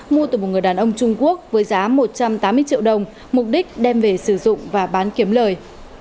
mua từ một người đàn ông trung quốc với giá một trăm tám mươi triệu đồng mục đích đem về sử dụng và bán kiếm lời